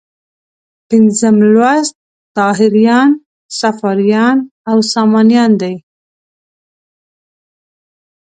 پنځم لوست طاهریان، صفاریان او سامانیان دي.